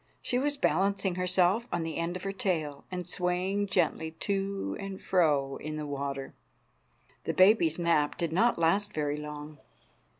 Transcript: She was balancing herself on the end of her tail, and swaying gently to and fro in the water. The baby's nap did not last very long.